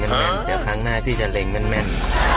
เออโอเคเดี๋ยวครั้งหน้าพี่จะเล็งกันแม่น